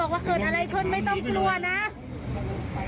เมื่อเฮียไบ๊ออกมามันรั่ว